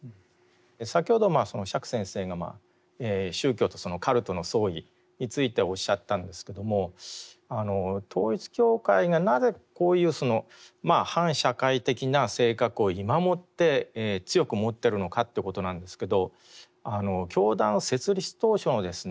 先ほど釈先生が宗教とカルトの相違についておっしゃったんですけども統一教会がなぜこういう反社会的な性格を今もって強く持っているのかっていうことなんですけど教団設立当初のですね